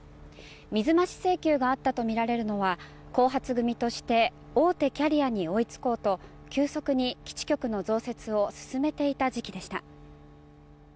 水増し請求があったとみられるのは後発組として大手キャリアに追いつこうと急速に基地局の増設を進めていた時期でした。